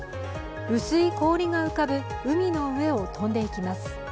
薄い氷が浮かぶ海の上を飛んでいきます。